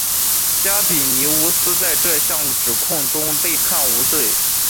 加比尼乌斯在这项指控中被判无罪。